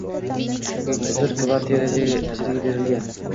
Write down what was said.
Uzr, kvartira ijaraga berilgan.